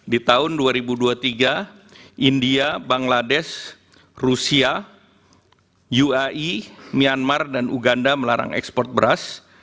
di tahun dua ribu dua puluh tiga india bangladesh rusia ui myanmar dan uganda melarang ekspor beras